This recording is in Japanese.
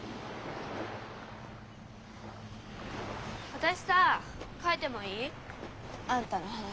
私さ書いてもいい？あんたの話。